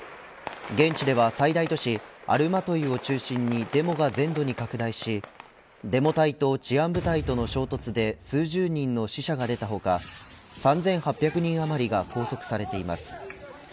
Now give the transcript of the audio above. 現地では最大都市アルマトイを中心にデモが全土に拡大しデモ隊と治安部隊との衝突で数十人の死者が出た他３８００人あまりが拘束されています。